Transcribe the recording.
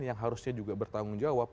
yang harusnya juga bertanggung jawab